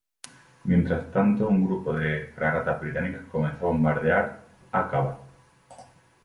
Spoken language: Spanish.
Mientras tanto, un grupo de fragatas británicas comenzó a bombardear Áqaba.